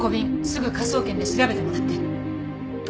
すぐ科捜研で調べてもらって。